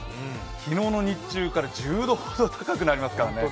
昨日の日中から１０度ほど高くなりますからね